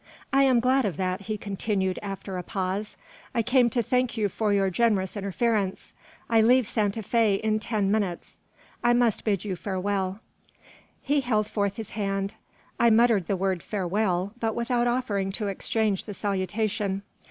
"I am glad of that," he continued, after a pause. "I came to thank you for your generous interference. I leave Santa Fe in ten minutes. I must bid you farewell." He held forth his hand. I muttered the word "farewell," but without offering to exchange the salutation.